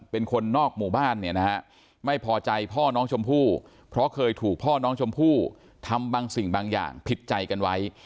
เป็นคนนอกหมู่บ้านเนี่ยนะฮะไม่พอใจพ่อน้องชมพู่เพราะเคยถูกพ่อน้องชมพู่ทำบางสิ่งบางอย่างผิดใจกันไว้